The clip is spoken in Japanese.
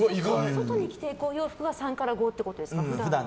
外に来ていくお洋服は３から５ってことですか、普段。